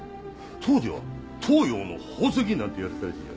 当時は「東洋の宝石」なんて言われたらしいよ。